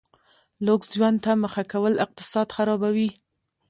لوکس ژوند ته مخه کول اقتصاد خرابوي.